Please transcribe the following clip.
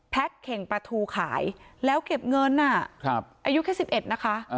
เข่งปลาทูขายแล้วเก็บเงินอายุแค่๑๑นะคะ